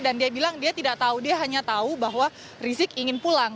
dan dia bilang dia tidak tahu dia hanya tahu bahwa rizik ingin pulang